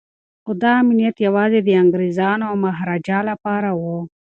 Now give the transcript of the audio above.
خو دا امنیت یوازې د انګریزانو او مهاراجا لپاره و.